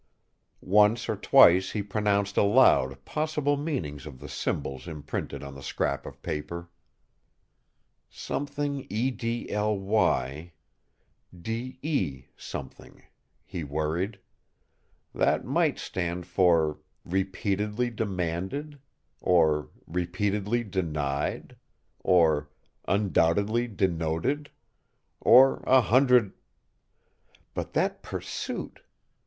Once or twice he pronounced aloud possible meanings of the symbols imprinted on the scrap of paper. "' edly de ,'" he worried. "That might stand for 'repeatedly demanded' or 'repeatedly denied' or 'undoubtedly denoted' or a hundred But that 'Pursuit!'